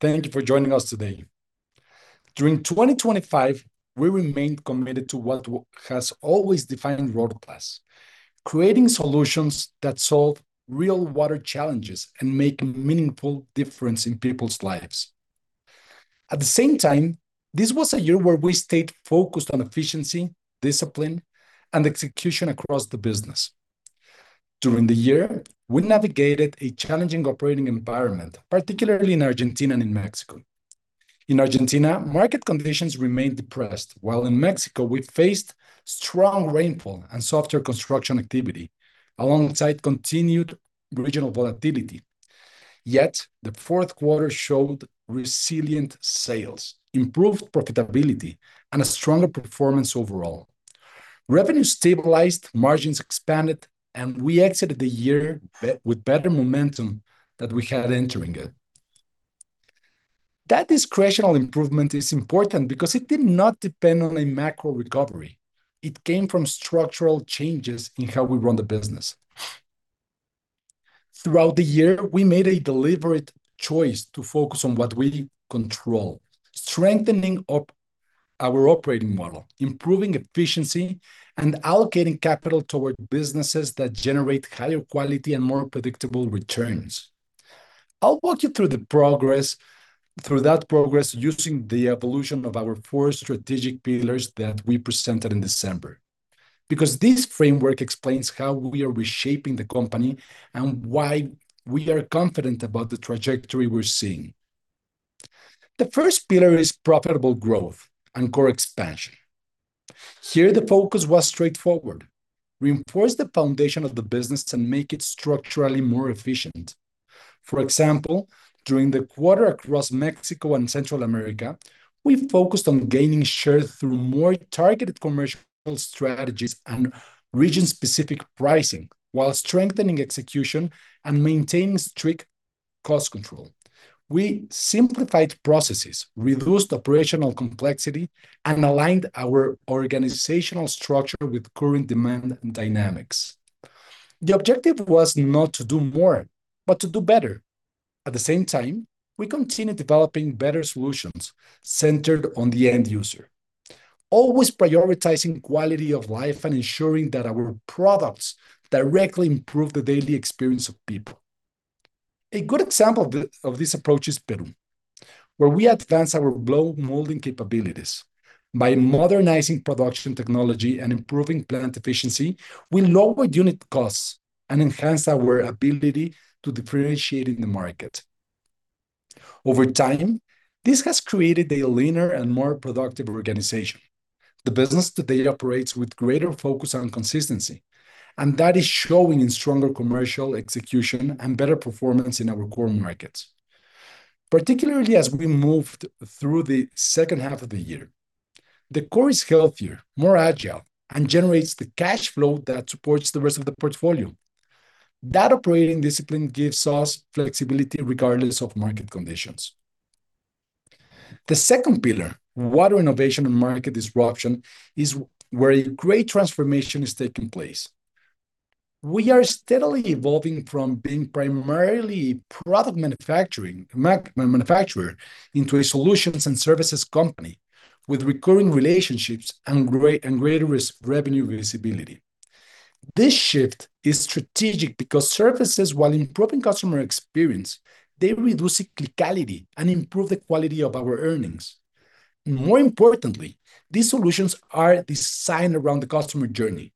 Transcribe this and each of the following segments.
Thank you for joining us today. During 2025, we remained committed to what has always defined Rotoplas: creating solutions that solve real water challenges and make a meaningful difference in people's lives. At the same time, this was a year where we stayed focused on efficiency, discipline, and execution across the business. During the year, we navigated a challenging operating environment, particularly in Argentina and in Mexico. In Argentina, market conditions remained depressed, while in Mexico, we faced strong rainfall and softer construction activity, alongside continued regional volatility. Yet, the fourth quarter showed resilient sales, improved profitability, and a stronger performance overall. Revenue stabilized, margins expanded, and we exited the year with better momentum than we had entering it. That discretionary improvement is important because it did not depend on a macro recovery. It came from structural changes in how we run the business. Throughout the year, we made a deliberate choice to focus on what we control, strengthening our operating model, improving efficiency, and allocating capital toward businesses that generate higher quality and more predictable returns. I'll walk you through the progress, through that progress using the evolution of our four strategic pillars that we presented in December, because this framework explains how we are reshaping the company and why we are confident about the trajectory we're seeing. The first pillar is profitable growth and core expansion. Here, the focus was straightforward: reinforce the foundation of the business and make it structurally more efficient. For example, during the quarter across Mexico and Central America, we focused on gaining share through more targeted commercial strategies and region-specific pricing, while strengthening execution and maintaining strict cost control. We simplified processes, reduced operational complexity, and aligned our organizational structure with current demand and dynamics. The objective was not to do more, but to do better. At the same time, we continued developing better solutions centered on the end user, always prioritizing quality of life and ensuring that our products directly improve the daily experience of people. A good example of of this approach is Peru, where we advanced our blow molding capabilities. By modernizing production technology and improving plant efficiency, we lowered unit costs and enhanced our ability to differentiate in the market. Over time, this has created a leaner and more productive organization. The business today operates with greater focus on consistency, and that is showing in stronger commercial execution and better performance in our core markets, particularly as we moved through the second half of the year. The core is healthier, more agile, and generates the cash flow that supports the rest of the portfolio. That operating discipline gives us flexibility regardless of market conditions. The second pillar, water innovation and market disruption, is where a great transformation is taking place. We are steadily evolving from being primarily product manufacturing manufacturer into a solutions and services company, with recurring relationships and greater revenue visibility. This shift is strategic because services, while improving customer experience, they reduce cyclicality and improve the quality of our earnings. More importantly, these solutions are designed around the customer journey,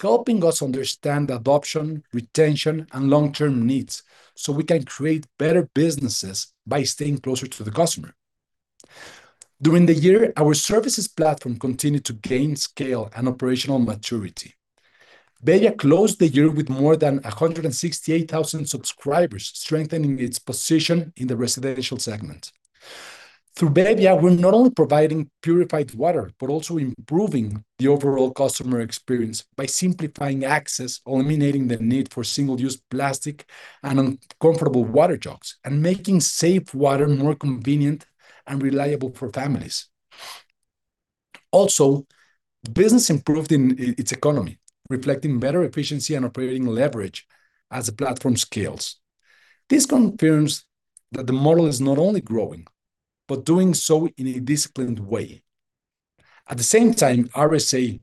helping us understand adoption, retention, and long-term needs, so we can create better businesses by staying closer to the customer. During the year, our services platform continued to gain scale and operational maturity. Bebbia closed the year with more than 168,000 subscribers, strengthening its position in the residential segment. Through Bebbia, we're not only providing purified water, but also improving the overall customer experience by simplifying access, eliminating the need for single-use plastic and uncomfortable water jugs, and making safe water more convenient and reliable for families. Also, the business improved in its economy, reflecting better efficiency and operating leverage as the platform scales. This confirms that the model is not only growing, but doing so in a disciplined way. At the same time, RSA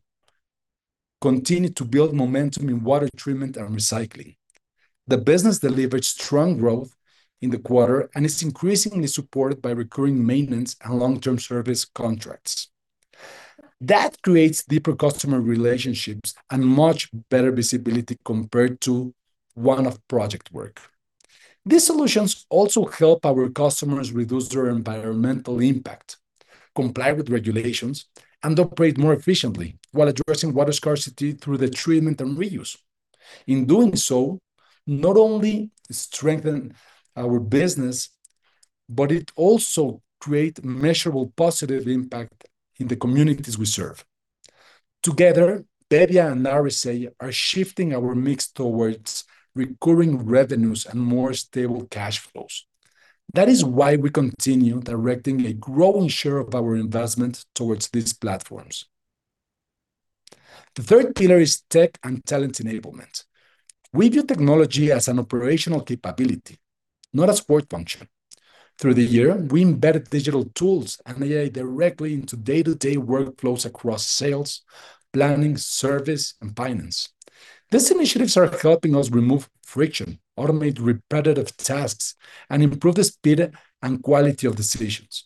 continued to build momentum in water treatment and recycling. The business delivered strong growth in the quarter and is increasingly supported by recurring maintenance and long-term service contracts. That creates deeper customer relationships and much better visibility compared to one-off project work. These solutions also help our customers reduce their environmental impact, comply with regulations, and operate more efficiently while addressing water scarcity through the treatment and reuse. In doing so, not only strengthen our business, but it also create measurable positive impact in the communities we serve. Together, Bebbia and RSA are shifting our mix towards recurring revenues and more stable cash flows. That is why we continue directing a growing share of our investment towards these platforms.... The third pillar is tech and talent enablement. We view technology as an operational capability, not a support function. Through the year, we embedded digital tools and AI directly into day-to-day workflows across sales, planning, service, and finance. These initiatives are helping us remove friction, automate repetitive tasks, and improve the speed and quality of decisions.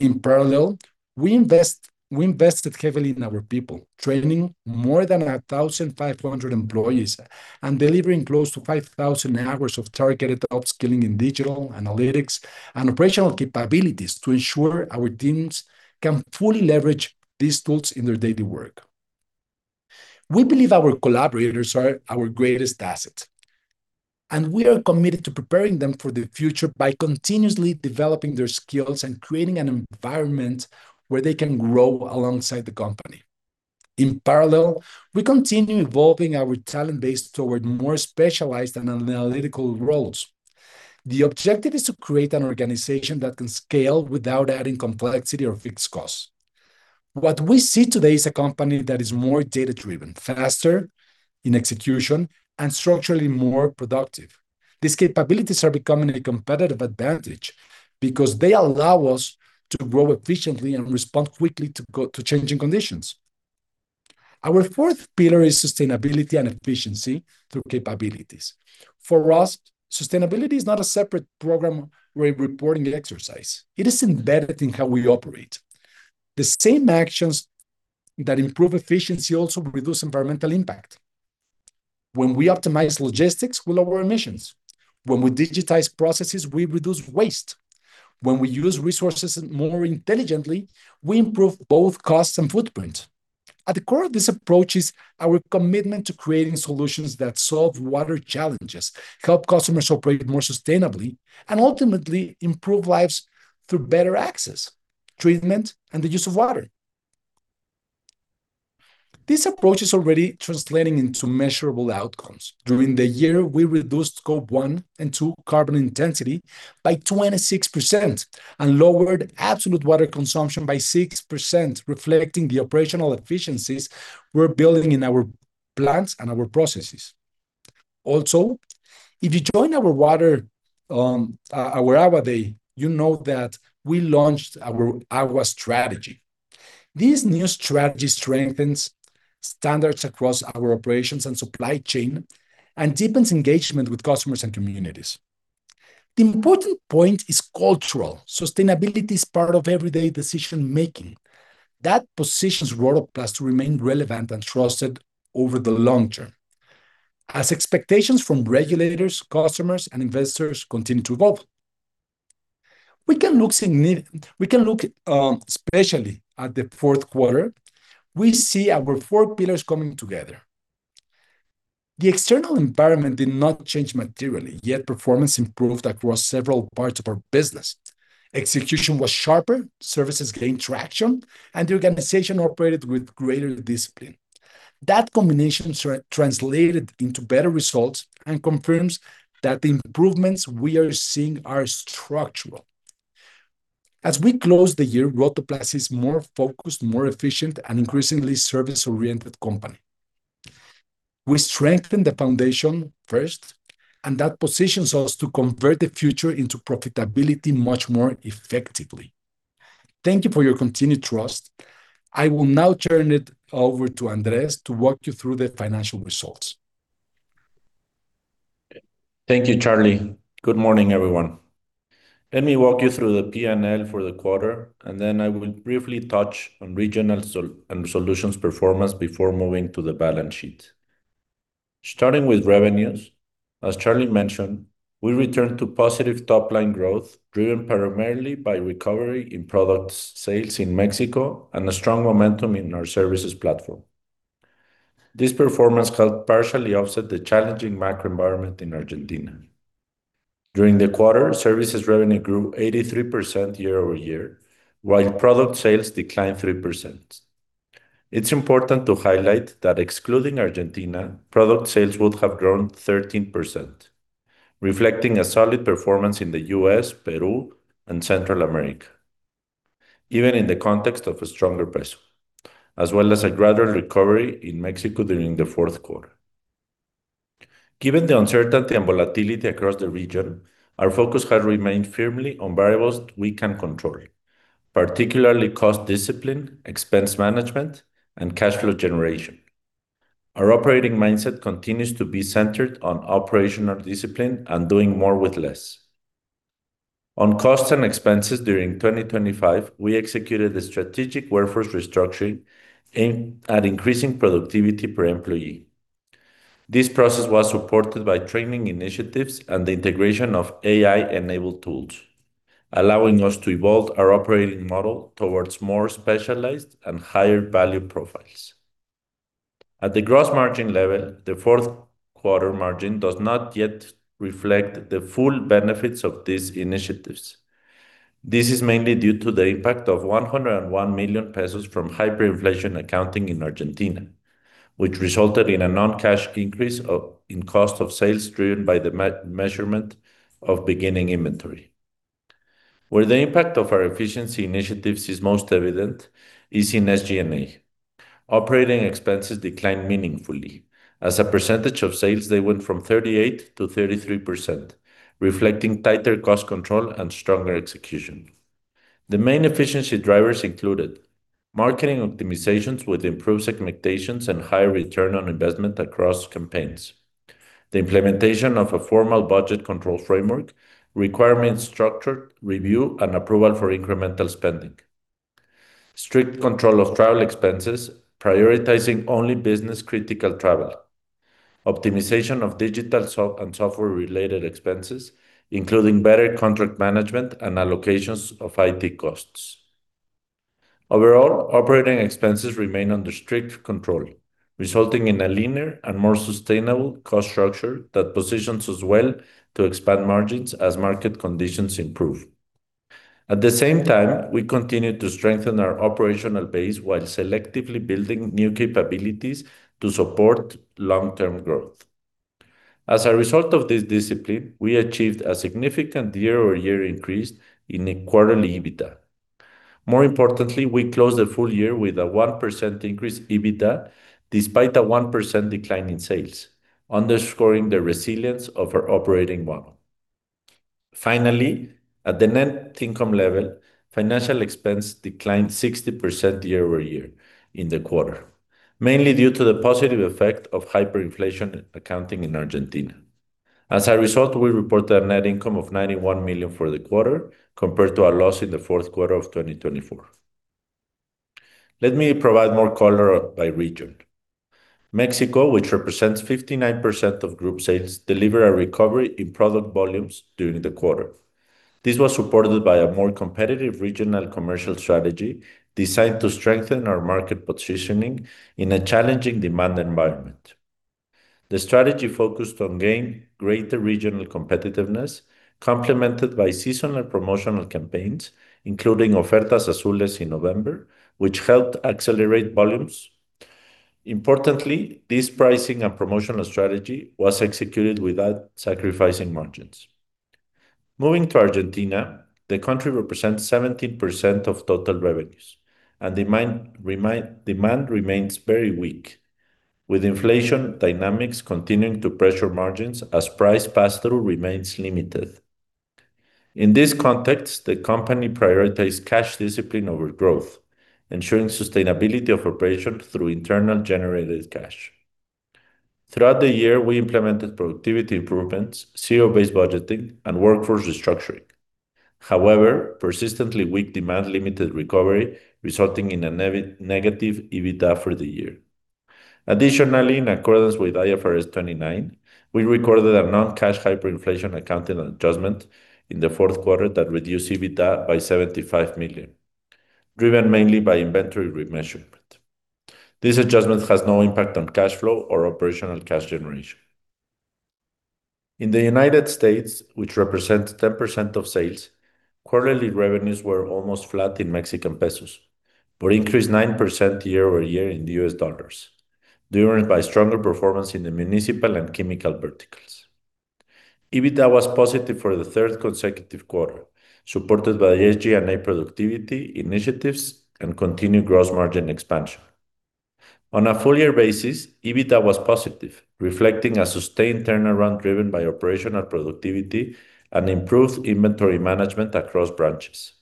In parallel, we invested heavily in our people, training more than 1,500 employees and delivering close to 5,000 hours of targeted upskilling in digital analytics and operational capabilities to ensure our teams can fully leverage these tools in their daily work. We believe our collaborators are our greatest asset, and we are committed to preparing them for the future by continuously developing their skills and creating an environment where they can grow alongside the company. In parallel, we continue evolving our talent base toward more specialized and analytical roles. The objective is to create an organization that can scale without adding complexity or fixed costs. What we see today is a company that is more data-driven, faster in execution, and structurally more productive. These capabilities are becoming a competitive advantage because they allow us to grow efficiently and respond quickly to changing conditions. Our fourth pillar is sustainability and efficiency through capabilities. For us, sustainability is not a separate program or a reporting exercise. It is embedded in how we operate. The same actions that improve efficiency also reduce environmental impact. When we optimize logistics, we lower emissions. When we digitize processes, we reduce waste. When we use resources more intelligently, we improve both cost and footprint. At the core of this approach is our commitment to creating solutions that solve water challenges, help customers operate more sustainably, and ultimately improve lives through better access, treatment, and the use of water. This approach is already translating into measurable outcomes. During the year, we reduced Scope 1 and Scope 2 carbon intensity by 26% and lowered absolute water consumption by 6%, reflecting the operational efficiencies we're building in our plants and our processes. Also, if you join our water, our Água Day, you know that we launched our Agua strategy. This new strategy strengthens standards across our operations and supply chain and deepens engagement with customers and communities. The important point is cultural. Sustainability is part of everyday decision-making. That positions us to remain relevant and trusted over the long term as expectations from regulators, customers, and investors continue to evolve. We can look, especially at the fourth quarter, we see our four pillars coming together. The external environment did not change materially, yet performance improved across several parts of our business. Execution was sharper, services gained traction, and the organization operated with greater discipline. That combination translated into better results and confirms that the improvements we are seeing are structural. As we close the year, Rotoplas is more focused, more efficient, and increasingly service-oriented company. We strengthen the foundation first, and that positions us to convert the future into profitability much more effectively. Thank you for your continued trust. I will now turn it over to Andrés to walk you through the financial results. Thank you, Charlie. Good morning, everyone. Let me walk you through the PNL for the quarter, and then I will briefly touch on regional and solutions performance before moving to the balance sheet. Starting with revenues, as Charlie mentioned, we returned to positive top-line growth, driven primarily by recovery in product sales in Mexico and a strong momentum in our services platform. This performance helped partially offset the challenging macro environment in Argentina. During the quarter, services revenue grew 83% year-over-year, while product sales declined 3%. It's important to highlight that excluding Argentina, product sales would have grown 13%, reflecting a solid performance in the U.S., Peru, and Central America, even in the context of a stronger peso, as well as a gradual recovery in Mexico during the fourth quarter. Given the uncertainty and volatility across the region, our focus has remained firmly on variables we can control, particularly cost discipline, expense management, and cash flow generation. Our operating mindset continues to be centered on operational discipline and doing more with less. On costs and expenses during 2025, we executed a strategic workforce restructuring aimed at increasing productivity per employee. This process was supported by training initiatives and the integration of AI-enabled tools, allowing us to evolve our operating model towards more specialized and higher-value profiles. At the gross margin level, the fourth quarter margin does not yet reflect the full benefits of these initiatives. This is mainly due to the impact of 101 million pesos from hyperinflation accounting in Argentina, which resulted in a non-cash increase in cost of sales, driven by the measurement of beginning inventory. Where the impact of our efficiency initiatives is most evident is in SG&A. Operating expenses declined meaningfully. As a percentage of sales, they went from 38%-33%, reflecting tighter cost control and stronger execution. The main efficiency drivers included: marketing optimizations with improved segmentations and higher return on investment across campaigns, the implementation of a formal budget control framework, requirement structured review, and approval for incremental spending, strict control of travel expenses, prioritizing only business-critical travel, optimization of digital soft and software-related expenses, including better contract management and allocations of IT costs. Overall, operating expenses remain under strict control, resulting in a leaner and more sustainable cost structure that positions us well to expand margins as market conditions improve. At the same time, we continue to strengthen our operational base while selectively building new capabilities to support long-term growth. As a result of this discipline, we achieved a significant year-over-year increase in quarterly EBITDA. More importantly, we closed the full year with a 1% increase EBITDA, despite a 1% decline in sales, underscoring the resilience of our operating model. Finally, at the net income level, financial expense declined 60% year-over-year in the quarter, mainly due to the positive effect of hyperinflation accounting in Argentina. As a result, we reported a net income of 91 million for the quarter, compared to a loss in the fourth quarter of 2024. Let me provide more color by region. Mexico, which represents 59% of group sales, delivered a recovery in product volumes during the quarter. This was supported by a more competitive regional commercial strategy designed to strengthen our market positioning in a challenging demand environment. The strategy focused on gain greater regional competitiveness, complemented by seasonal promotional campaigns, including Ofertas Azules in November, which helped accelerate volumes. Importantly, this pricing and promotional strategy was executed without sacrificing margins. Moving to Argentina, the country represents 17% of total revenues, and demand remains very weak, with inflation dynamics continuing to pressure margins as price pass-through remains limited. In this context, the company prioritized cash discipline over growth, ensuring sustainability of operation through internal generated cash. Throughout the year, we implemented productivity improvements, zero-based budgeting, and workforce restructuring. However, persistently weak demand limited recovery, resulting in a negative EBITDA for the year. Additionally, in accordance with IAS 29, we recorded a non-cash hyperinflation accounting adjustment in the fourth quarter that reduced EBITDA by 75 million, driven mainly by inventory remeasurement. This adjustment has no impact on cash flow or operational cash generation. In the United States, which represents 10% of sales, quarterly revenues were almost flat in MXN, but increased 9% year-over-year in $, driven by stronger performance in the municipal and chemical verticals. EBITDA was positive for the third consecutive quarter, supported by SG&A productivity initiatives and continued gross margin expansion. On a full year basis, EBITDA was positive, reflecting a sustained turnaround driven by operational productivity and improved inventory management across branches.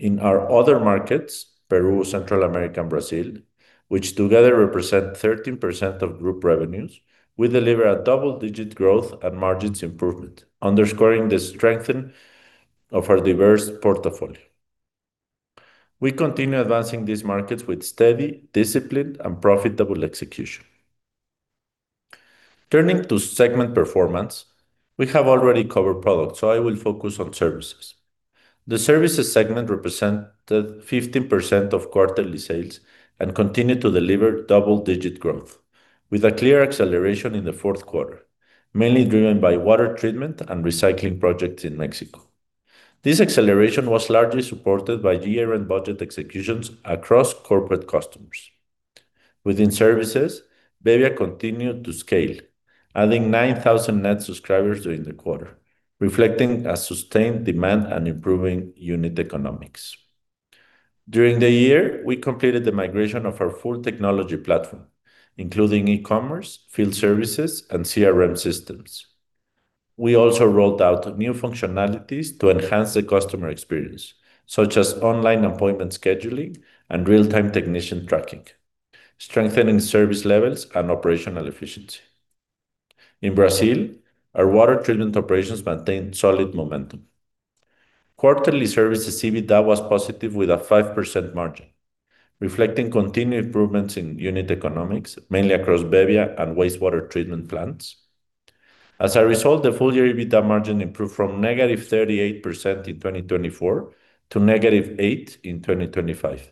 In our other markets, Peru, Central America, and Brazil, which together represent 13% of group revenues, we delivered a double-digit growth and margins improvement, underscoring the strengthening of our diverse portfolio. We continue advancing these markets with steady, disciplined, and profitable execution. Turning to segment performance, we have already covered products, so I will focus on services. The services segment represented 15% of quarterly sales and continued to deliver double-digit growth, with a clear acceleration in the fourth quarter, mainly driven by water treatment and recycling projects in Mexico. This acceleration was largely supported by year-end budget executions across corporate customers. Within services, Bebbia continued to scale, adding 9,000 net subscribers during the quarter, reflecting a sustained demand and improving unit economics. During the year, we completed the migration of our full technology platform, including e-commerce, field services, and CRM systems. We also rolled out new functionalities to enhance the customer experience, such as online appointment scheduling and real-time technician tracking, strengthening service levels and operational efficiency. In Brazil, our water treatment operations maintained solid momentum. Quarterly services EBITDA was positive, with a 5% margin, reflecting continued improvements in unit economics, mainly across Bebbia and wastewater treatment plants. As a result, the full-year EBITDA margin improved from negative 38% in 2024 to negative 8% in 2025.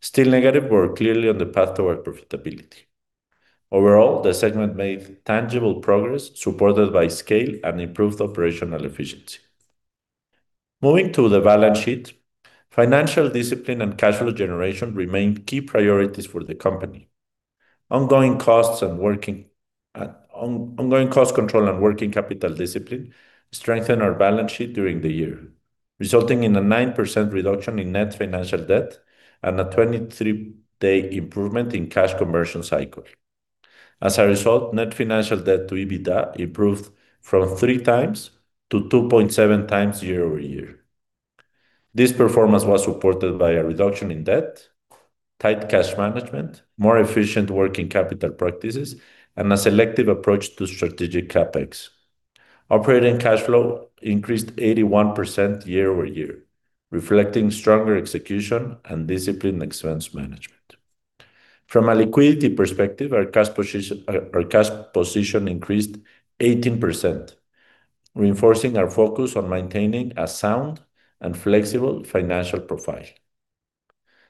Still negative, but we're clearly on the path toward profitability. Overall, the segment made tangible progress, supported by scale and improved operational efficiency. Moving to the balance sheet, financial discipline and cash flow generation remained key priorities for the company. Ongoing cost control and working capital discipline strengthened our balance sheet during the year, resulting in a 9% reduction in net financial debt and a 23-day improvement in cash conversion cycle. As a result, net financial debt to EBITDA improved from 3x to 2.7x year-over-year. This performance was supported by a reduction in debt, tight cash management, more efficient working capital practices, and a selective approach to strategic CapEx. Operating cash flow increased 81% year-over-year, reflecting stronger execution and disciplined expense management. From a liquidity perspective, our cash position, our cash position increased 18%, reinforcing our focus on maintaining a sound and flexible financial profile.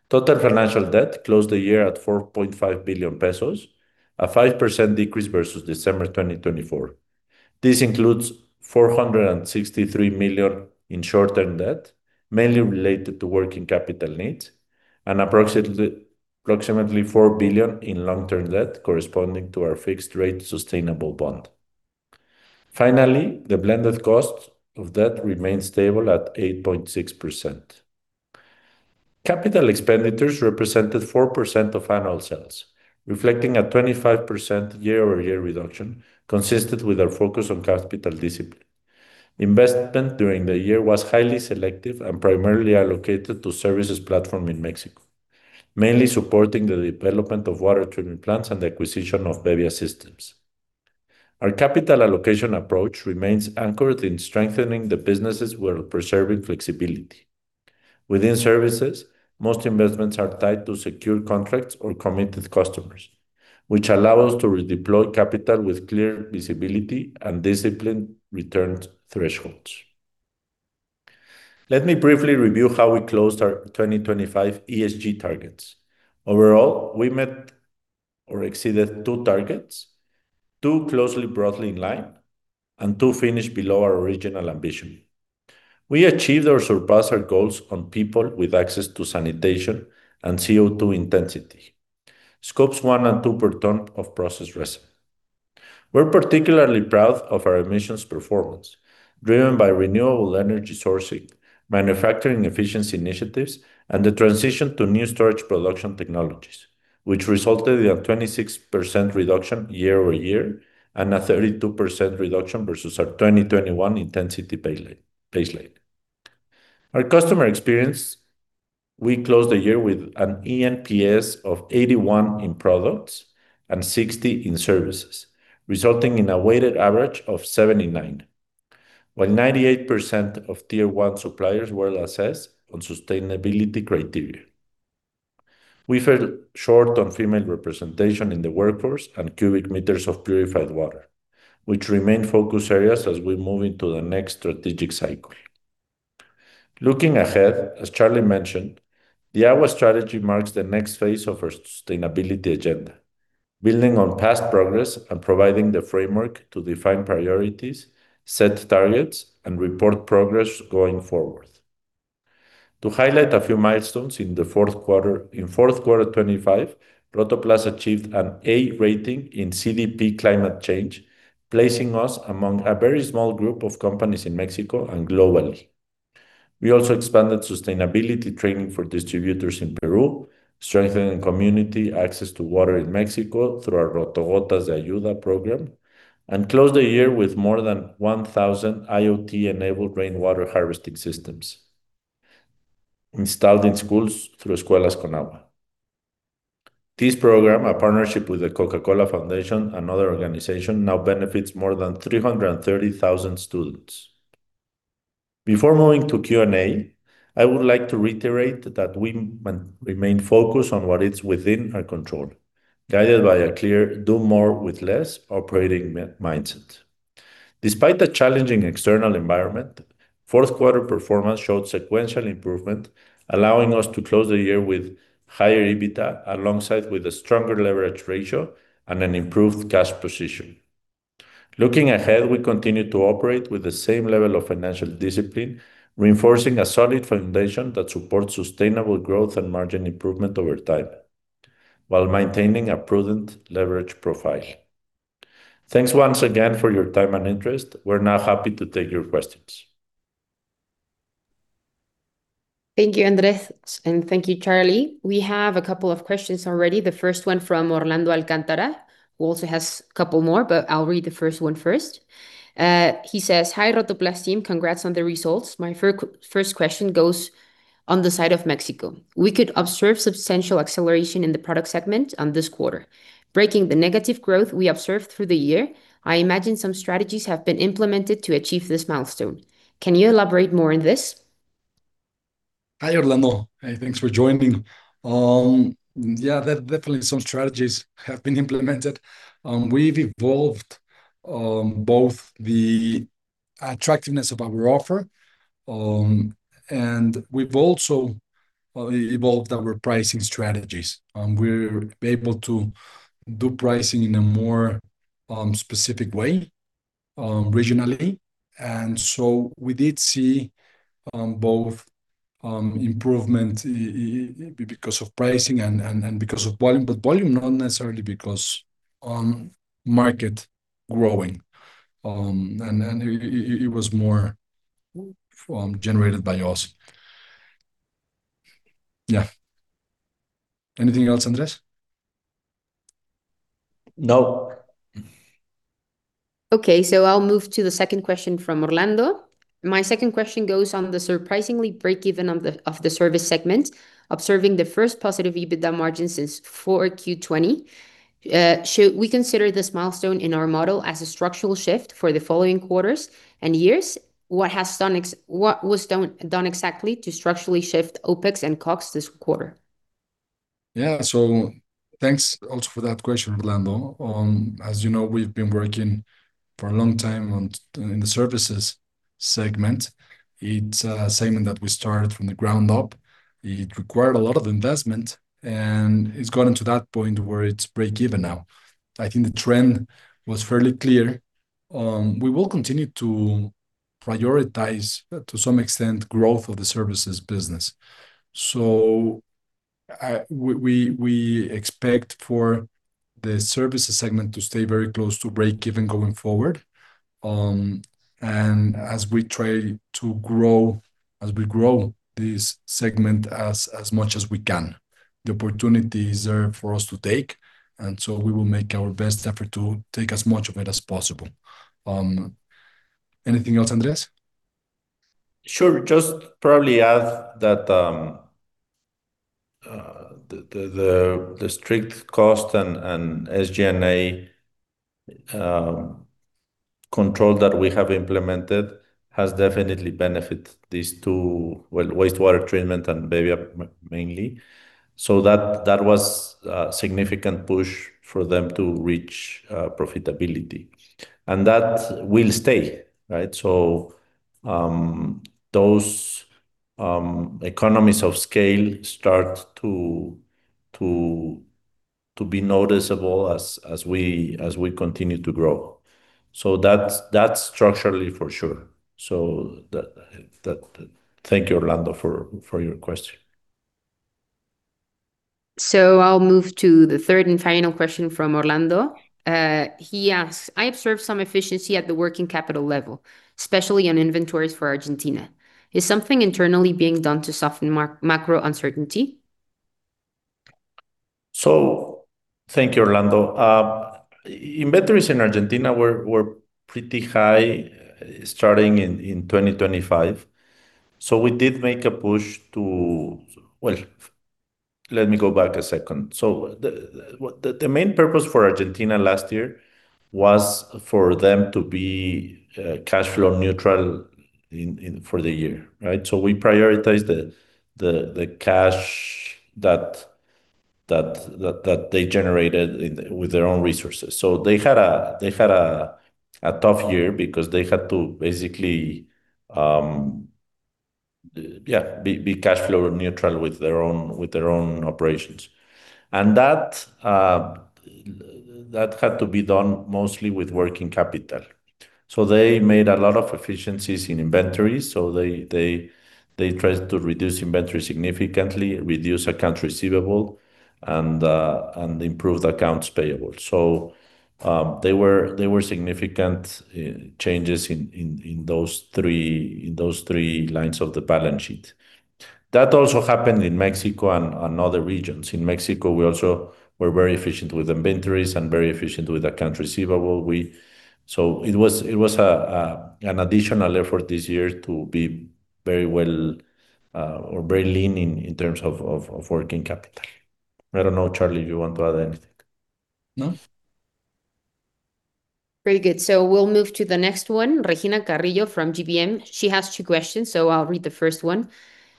Total financial debt closed the year at 4.5 billion pesos, a 5% decrease versus December 2024. This includes 463 million in short-term debt, mainly related to working capital needs, and approximately, approximately 4 billion in long-term debt corresponding to our fixed-rate sustainable bond. Finally, the blended cost of debt remained stable at 8.6%. Capital expenditures represented 4% of annual sales, reflecting a 25% year-over-year reduction consistent with our focus on capital discipline. Investment during the year was highly selective and primarily allocated to services platform in Mexico, mainly supporting the development of water treatment plants and the acquisition of Bebbia systems. Our capital allocation approach remains anchored in strengthening the businesses while preserving flexibility. Within services, most investments are tied to secure contracts or committed customers, which allow us to redeploy capital with clear visibility and disciplined return thresholds. Let me briefly review how we closed our 2025 ESG targets. Overall, we met or exceeded two targets, two closely broadly in line, and two finished below our original ambition. We achieved or surpassed our goals on people with access to sanitation and CO2 intensity, Scope 1 and Scope 2 per ton of processed resin. We're particularly proud of our emissions performance, driven by renewable energy sourcing, manufacturing efficiency initiatives, and the transition to new storage production technologies, which resulted in a 26% reduction year-over-year and a 32% reduction versus our 2021 intensity baseline. Our customer experience, we closed the year with an eNPS of 81 in products and 60 in services, resulting in a weighted average of 79, while 98% of Tier One suppliers were assessed on sustainability criteria. We fell short on female representation in the workforce and cubic meters of purified water, which remain focus areas as we move into the next strategic cycle. Looking ahead, as Charlie mentioned, the Agua strategy marks the next phase of our sustainability agenda, building on past progress and providing the framework to define priorities, set targets, and report progress going forward. To highlight a few milestones in the fourth quarter. In fourth quarter 2025, Rotoplas achieved an A rating in CDP Climate Change, placing us among a very small group of companies in Mexico and globally. We also expanded sustainability training for distributors in Peru, strengthening community access to water in Mexico through our Rotogotas de Ayuda program, and closed the year with more than 1,000 IoT-enabled rainwater harvesting systems installed in schools through Escuelas con Agua. This program, a partnership with the Coca-Cola Foundation and other organizations, now benefits more than 330,000 students. Before moving to Q&A, I would like to reiterate that we remain focused on what is within our control, guided by a clear, do more with less operating mindset. Despite the challenging external environment, fourth quarter performance showed sequential improvement, allowing us to close the year with higher EBITDA, alongside with a stronger leverage ratio and an improved cash position. Looking ahead, we continue to operate with the same level of financial discipline, reinforcing a solid foundation that supports sustainable growth and margin improvement over time, while maintaining a prudent leverage profile. Thanks once again for your time and interest. We're now happy to take your questions. Thank you, Andrés, and thank you, Charlie. We have a couple of questions already. The first one from Orlando Alcántara, who also has a couple more, but I'll read the first one first. He says, "Hi, Rotoplas team. Congrats on the results. My first, first question goes on the side of Mexico. We could observe substantial acceleration in the product segment on this quarter, breaking the negative growth we observed through the year. I imagine some strategies have been implemented to achieve this milestone. Can you elaborate more on this? Hi, Orlando. Hey, thanks for joining. Yeah, there definitely some strategies have been implemented. We've evolved both the attractiveness of our offer and we've also evolved our pricing strategies. We're able to do pricing in a more specific way.... regionally. And so we did see both improvement because of pricing and because of volume, but volume not necessarily because market growing. And it was more generated by us. Yeah. Anything else, Andrés? No. Okay, so I'll move to the second question from Orlando. My second question goes on the surprisingly breakeven of the service segment, observing the first positive EBITDA margin since 4Q20. Should we consider this milestone in our model as a structural shift for the following quarters and years? What was done exactly to structurally shift OpEx and COGS this quarter? Yeah. So thanks also for that question, Orlando. As you know, we've been working for a long time on the services segment. It's a segment that we started from the ground up. It required a lot of investment, and it's gotten to that point where it's breakeven now. I think the trend was fairly clear. We will continue to prioritize, to some extent, growth of the services business. So, we expect for the services segment to stay very close to breakeven going forward. And as we grow this segment as much as we can, the opportunities are for us to take, and so we will make our best effort to take as much of it as possible. Anything else, Andrés? Sure. Just probably add that, the strict cost and SG&A control that we have implemented has definitely benefit these two, well, wastewater treatment and Bebbia, mainly. So that was a significant push for them to reach profitability, and that will stay, right? So, those economies of scale start to be noticeable as we continue to grow. So that's structurally for sure. Thank you, Orlando, for your question. I'll move to the third and final question from Orlando. He asks: "I observed some efficiency at the working capital level, especially on inventories for Argentina. Is something internally being done to soften macro uncertainty? So thank you, Orlando. Inventories in Argentina were pretty high starting in 2025, so we did make a push to... Well, let me go back a second. So the main purpose for Argentina last year was for them to be cash flow neutral in for the year, right? So we prioritized the cash that they generated with their own resources. So they had a tough year because they had to basically be cash flow neutral with their own operations. And that had to be done mostly with working capital. So they made a lot of efficiencies in inventories. So they tried to reduce inventory significantly, reduce accounts receivable, and improve the accounts payable. So, there were significant changes in those three lines of the balance sheet. That also happened in Mexico and other regions. In Mexico, we also were very efficient with inventories and very efficient with accounts receivable. So it was an additional effort this year to be very well or very lean in terms of working capital. I don't know, Charlie, if you want to add anything. No. Very good. So we'll move to the next one. Regina Carrillo from GBM. She has two questions, so I'll read the first one.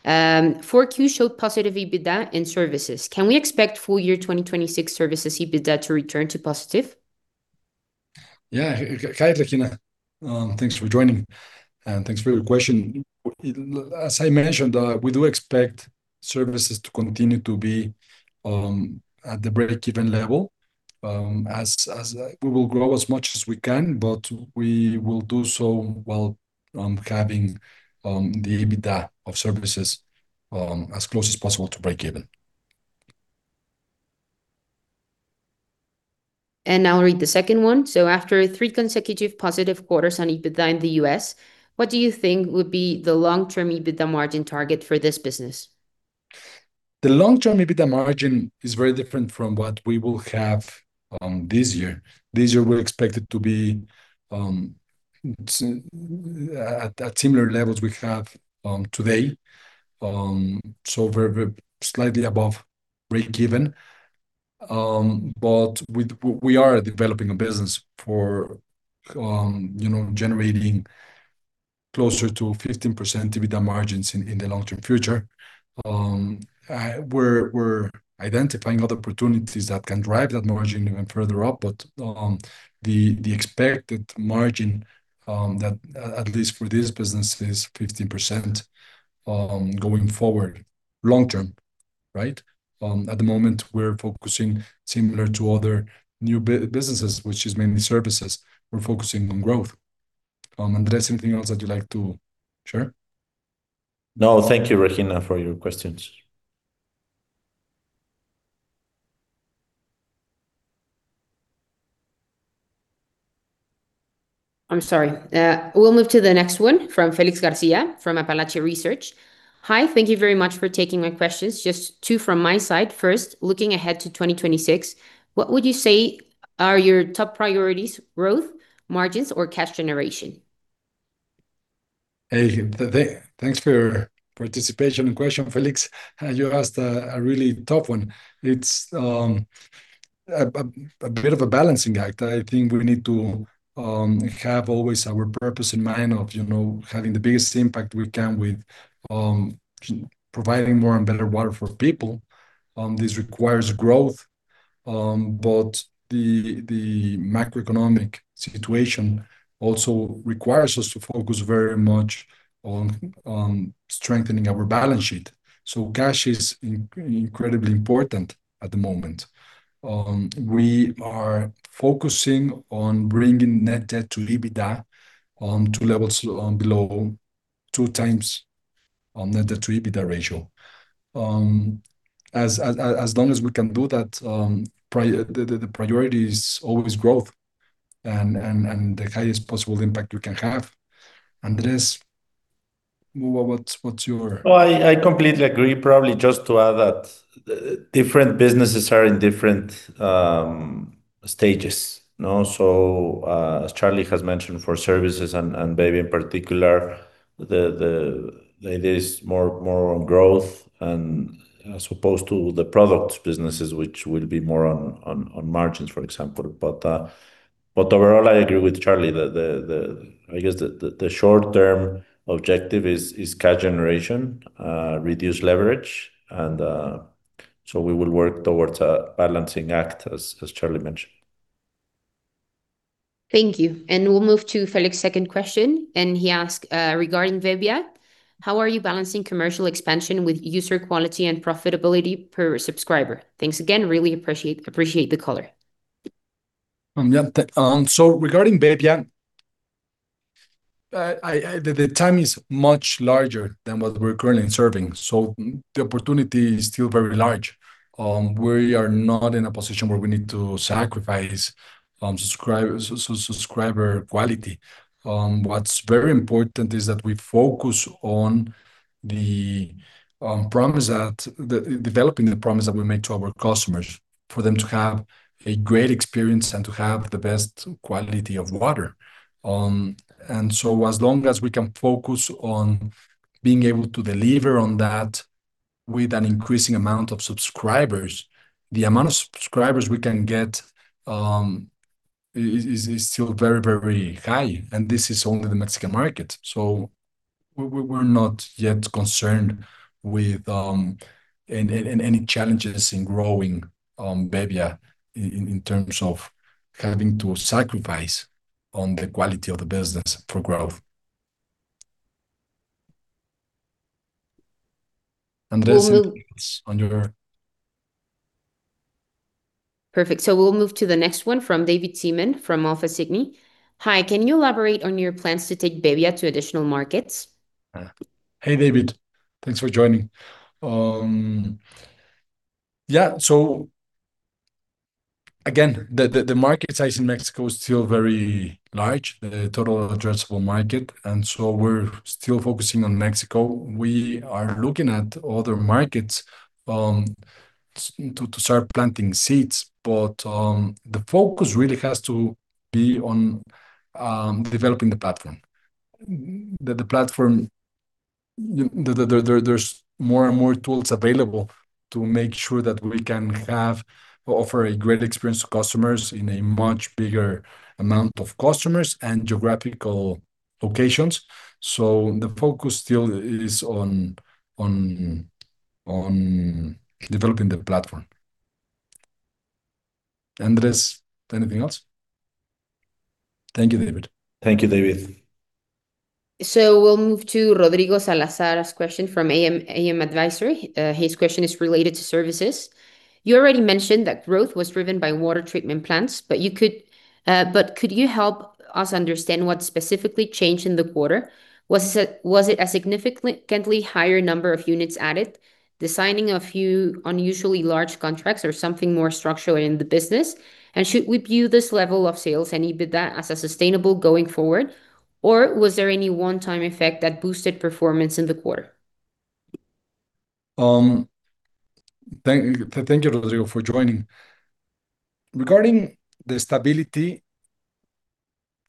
4Q showed positive EBITDA in services. Can we expect full year 2026 services EBITDA to return to positive? Yeah. Hi, Regina. Thanks for joining, and thanks for your question. As I mentioned, we do expect services to continue to be at the breakeven level, as we will grow as much as we can, but we will do so while having the EBITDA of services as close as possible to breakeven. And I'll read the second one. So after three consecutive positive quarters on EBITDA in the U.S., what do you think would be the long-term EBITDA margin target for this business? The long-term EBITDA margin is very different from what we will have this year. This year, we expect it to be at similar levels we have today. So very, very slightly above breakeven. But we are developing a business for you know, generating closer to 15% EBITDA margins in the long-term future. We're identifying other opportunities that can drive that margin even further up. But the expected margin that at least for this business, is 15%, going forward, long term... right? At the moment, we're focusing similar to other new businesses, which is mainly services. We're focusing on growth. Andrés, anything else that you'd like to share? No, thank you, Regina, for your questions. I'm sorry. We'll move to the next one from Felix Garcia, from Apalache Research. Hi, thank you very much for taking my questions. Just two from my side. First, looking ahead to 2026, what would you say are your top priorities: growth, margins, or cash generation? Hey, thanks for your participation and question, Felix. You asked a really tough one. It's a bit of a balancing act. I think we need to have always our purpose in mind of, you know, having the biggest impact we can with providing more and better water for people. This requires growth, but the macroeconomic situation also requires us to focus very much on strengthening our balance sheet. So cash is incredibly important at the moment. We are focusing on bringing net debt to EBITDA to levels below two times net debt to EBITDA ratio. As long as we can do that, the priority is always growth and the highest possible impact we can have. Andrés, what's your- Well, I completely agree. Probably just to add that different businesses are in different stages, you know? So, as Charlie has mentioned, for services and Bebbia in particular, the idea is more on growth and, as opposed to the products businesses, which will be more on margins, for example. But overall, I agree with Charlie. The... I guess the short-term objective is cash generation, reduce leverage, and so we will work towards a balancing act, as Charlie mentioned. Thank you. We'll move to Felix's second question, and he asked: Regarding Bebbia, how are you balancing commercial expansion with user quality and profitability per subscriber? Thanks again. Really appreciate the color. Yeah, so regarding Bebbia, the time is much larger than what we're currently serving, so the opportunity is still very large. We are not in a position where we need to sacrifice subscriber quality. What's very important is that we focus on the promise that we make to our customers, for them to have a great experience and to have the best quality of water. And so as long as we can focus on being able to deliver on that with an increasing amount of subscribers, the amount of subscribers we can get is still very, very high, and this is only the Mexican market. So we're not yet concerned with any challenges in growing Bebbia in terms of having to sacrifice on the quality of the business for growth. Andrés- We'll move- Andrés, anything under? Perfect. So we'll move to the next one from David Seaman, from [Alpha Signe]. Hi, can you elaborate on your plans to take Bebbia to additional markets? Hey, David. Thanks for joining. Yeah, so again, the market size in Mexico is still very large, the total addressable market, and so we're still focusing on Mexico. We are looking at other markets, to start planting seeds, but the focus really has to be on developing the platform. The platform, there's more and more tools available to make sure that we can have, offer a great experience to customers in a much bigger amount of customers and geographical locations. So the focus still is on developing the platform. Andrés, anything else? Thank you, David. Thank you, David. So we'll move to Rodrigo Salazar's question from AM Advisory. His question is related to services. You already mentioned that growth was driven by water treatment plants, but could you help us understand what specifically changed in the quarter? Was it a significantly higher number of units added, the signing of a few unusually large contracts, or something more structural in the business? And should we view this level of sales and EBITDA as a sustainable going forward, or was there any one-time effect that boosted performance in the quarter? Thank you, Rodrigo, for joining. Regarding the stability,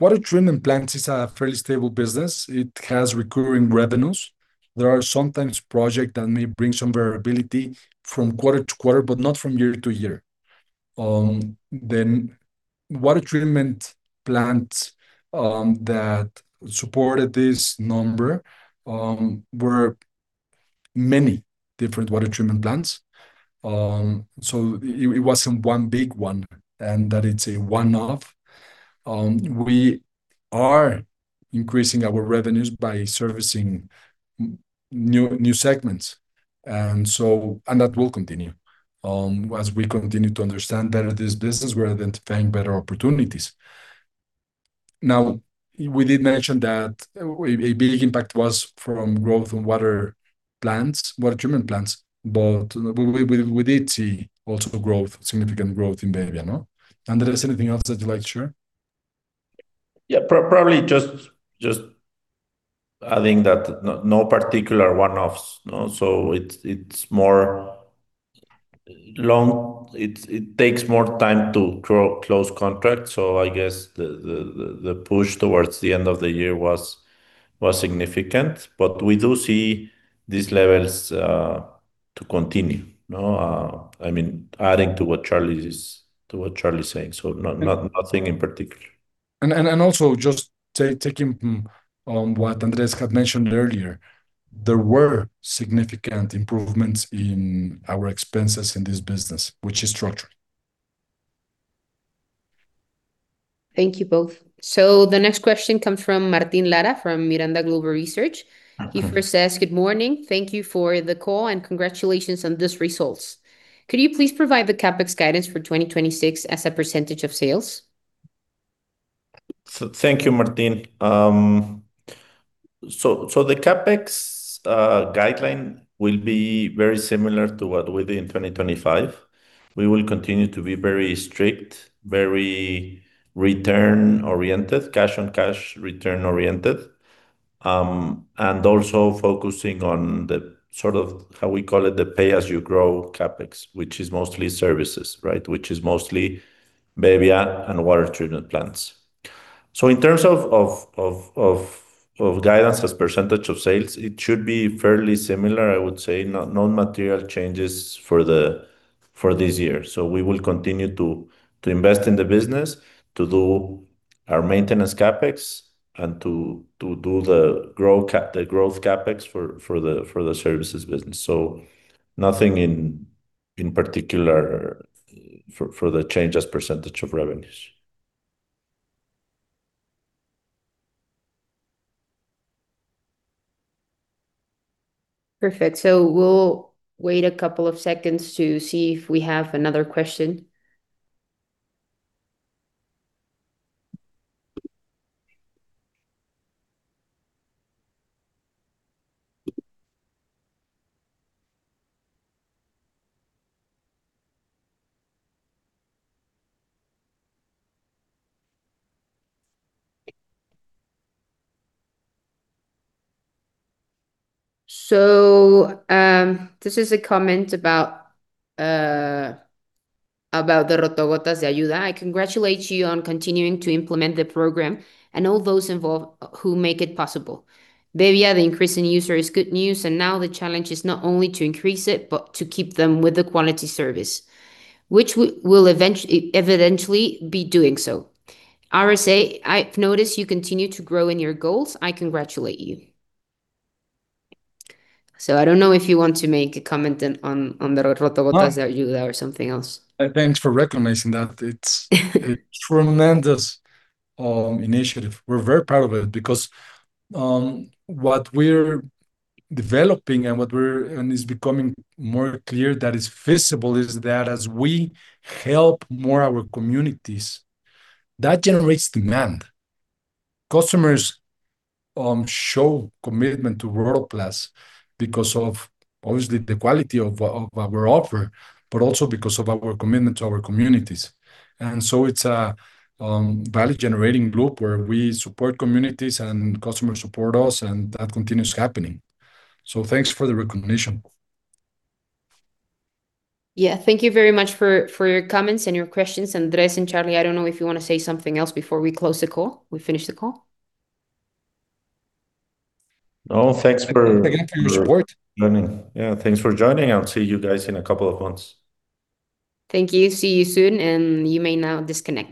water treatment plants is a fairly stable business. It has recurring revenues. There are sometimes projects that may bring some variability from quarter to quarter, but not from year to year. Then water treatment plants that supported this number were many different water treatment plants. So it wasn't one big one, and that it's a one-off. We are increasing our revenues by servicing new segments. And that will continue as we continue to understand better this business, we're identifying better opportunities. Now, we did mention that a big impact was from growth in water plants, water treatment plants, but we did see also growth, significant growth in Bebbia, no? Andrés, is there anything else that you'd like to share? Yeah, probably just adding that no, no particular one-offs, no. So it's, it takes more time to close contracts, so I guess the push towards the end of the year was significant. But we do see these levels to continue, no? I mean, adding to what Charlie is saying, so nothing in particular. Also, just taking on what Andrés had mentioned earlier, there were significant improvements in our expenses in this business, which is structured. Thank you both. The next question comes from Martin Lara, from Miranda Global Research. Mm-hmm. Good morning. Thank you for the call, and congratulations on these results. Could you please provide the CapEx guidance for 2026 as a percentage of sales? So thank you, Martin. So the CapEx guideline will be very similar to what we did in 2025. We will continue to be very strict, very return-oriented, cash-on-cash return-oriented. And also focusing on the sort of, how we call it, the pay-as-you-grow CapEx, which is mostly services, right? Which is mostly Bebbia and water treatment plants. So in terms of guidance as percentage of sales, it should be fairly similar, I would say. No non-material changes for this year. So we will continue to invest in the business, to do our maintenance CapEx, and to do the growth CapEx for the services business. So nothing in particular for the change as percentage of revenues. Perfect. So we'll wait a couple of seconds to see if we have another question. So, this is a comment about the Rotogotas de Ayuda. "I congratulate you on continuing to implement the program and all those involved who make it possible. Bebbia, the increase in users is good news, and now the challenge is not only to increase it, but to keep them with a quality service, which we will evidently be doing so. RSA, I've noticed you continue to grow in your goals. I congratulate you." So I don't know if you want to make a comment on the Rotogotas de Ayuda or something else. Thanks for recognizing that. It's a tremendous initiative. We're very proud of it because what we're developing, and it's becoming more clear that it's feasible, is that as we help more our communities, that generates demand. Customers show commitment to Rotoplas because of, obviously, the quality of our offer, but also because of our commitment to our communities. And so it's a value-generating group where we support communities, and customers support us, and that continues happening. So thanks for the recognition. Yeah. Thank you very much for your comments and your questions. Andrés and Charlie, I don't know if you wanna say something else before we close the call, we finish the call? No, thanks for- Thank you for your support.... joining. Yeah, thanks for joining, and I'll see you guys in a couple of months. Thank you. See you soon, and you may now disconnect.